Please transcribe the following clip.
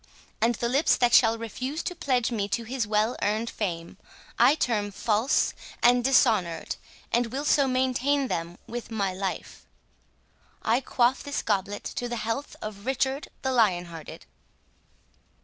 And the lips that shall refuse to pledge me to his well earned fame, I term false and dishonoured, and will so maintain them with my life.—I quaff this goblet to the health of Richard the Lion hearted!"